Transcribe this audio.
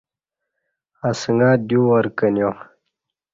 اسنگہ دیو وار کنیہ